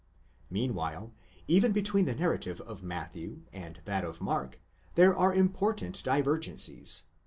Meanwhile, even between the narrative of Matthew and that of Mark, there are important divergencies.